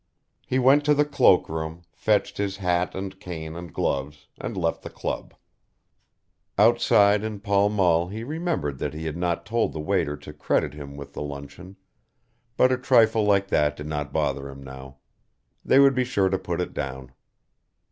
He went to the cloak room, fetched his hat and cane and gloves and left the club. Outside in Pall Mall he remembered that he had not told the waiter to credit him with the luncheon, but a trifle like that did not bother him now. They would be sure to put it down.